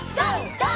ＧＯ！